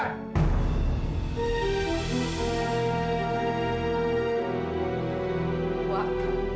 aku ini kan bukan anak anakmu wak